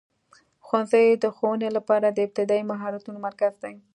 ښوونځی د ښوونې لپاره د ابتدایي مهارتونو مرکز دی.